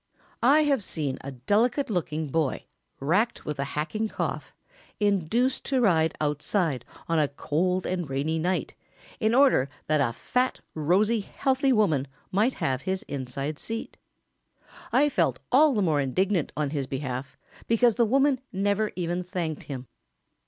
] I have seen a delicate looking boy, racked with a hacking cough, induced to ride outside on a cold and rainy night in order that a fat, rosy, healthy woman might have his inside seat. I felt all the more indignant on his behalf because the woman never even thanked him.